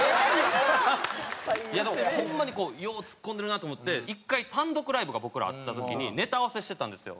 でもホンマにこうよう突っ込んでるなって思って１回単独ライブが僕らあった時にネタ合わせしてたんですよ。